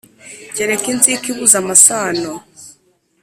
Kereka inzika ibuza amasano.